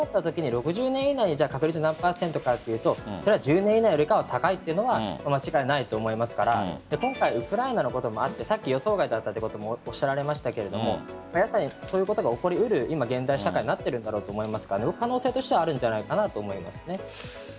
その確率が何％かというと１０年以内よりかは高いというのが間違いないと思いますから今回ウクライナのこともあって予想外だったということもおっしゃられましたがそういうことが起こりうる現代社会になってるんだろうと思いますが可能性としてはあるんじゃないかなと思います。